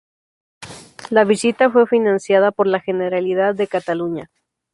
La visita fue financiada por la Generalidad de Cataluña.